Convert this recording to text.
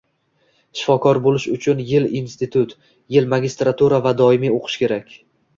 Shifokor bo'lish uchun yil institut, yil magistratura va doimiy oqish kerak!